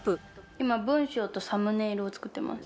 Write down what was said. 今、文章とサムネイルを作ってます。